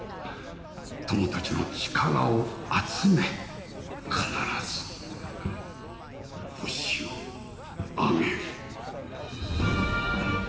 友たちの力を集め必ずホシを挙げる。